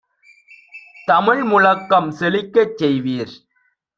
தமிழ் முழக்கம் செழிக்கச் செய்வீர்!